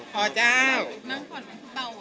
พ่อเจ้า